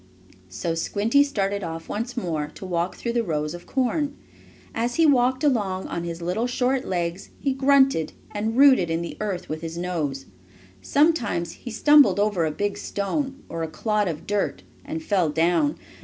So Squinty started off once more to walk through the rows of corn. As he walked along on his little short legs he grunted, and rooted in the earth with his nose. Sometimes he stumbled over a big stone, or a clod of dirt, and fell down.